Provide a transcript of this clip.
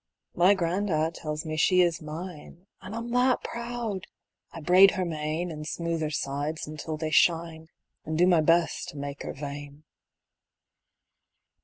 My gran'dad tells me she is mine, An' I'm that proud! I braid her mane, An' smooth her sides until they shine, An' do my best to make her vain.